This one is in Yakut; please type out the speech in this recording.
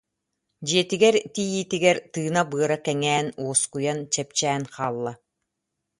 Дьиэтигэр тиийиитигэр тыына-быара кэҥээн, уоскуйан, чэпчээн хаалла